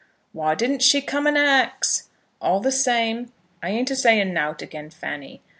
"Why didn't she come and ax? All the same, I ain't a saying nowt again Fanny.